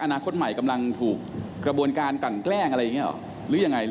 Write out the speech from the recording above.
อนาคตใหม่กำลังถูกกระบวนการกลั่นแกล้งอะไรอย่างนี้หรอหรือยังไง